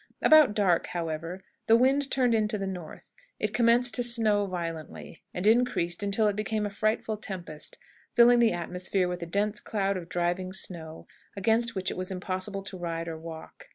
About dark, however, the wind turned into the north; it commenced to snow violently, and increased until it became a frightful tempest, filling the atmosphere with a dense cloud of driving snow, against which it was impossible to ride or walk.